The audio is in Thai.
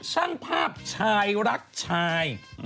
ช่างภาพชายรักชาย